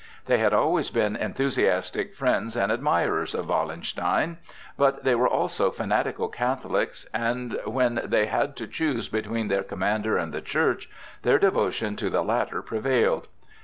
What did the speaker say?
They had always been enthusiastic friends and admirers of Wallenstein, but they were also fanatical Catholics, and when they had to choose between their commander and the Church, their devotion to the latter prevailed.